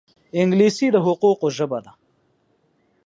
انګلیسي د حقوقو ژبه ده